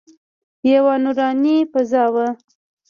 یوه نوراني فضا وه.